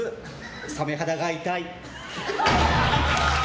サメ肌が痛い。